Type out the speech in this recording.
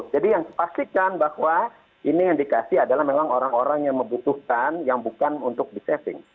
jadi yang dipastikan bahwa ini yang dikasih adalah memang orang orang yang membutuhkan yang bukan untuk di saving